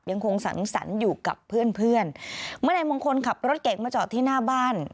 ยังคงสังสรรค์อยู่กับเพื่อนเพื่อนเมื่อนายมงคลขับรถเก่งมาจอดที่หน้าบ้าน